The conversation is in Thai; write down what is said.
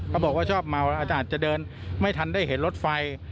บอกว่าชอบเมาอาจารย์จะเดินไม่ทันได้เห็นรถไฟ